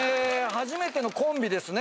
初めてのコンビですね